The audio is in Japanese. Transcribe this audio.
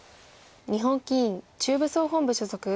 日本棋院中部総本部所属。